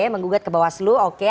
menggugat ke bawaslu oke